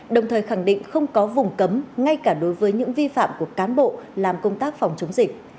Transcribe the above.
đồng thời khẳng định không có vùng cấm ngay cả đối với những vi phạm của cán bộ làm công tác phòng chống dịch